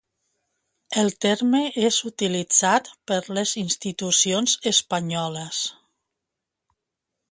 El terme és utilitzat per les institucions espanyoles.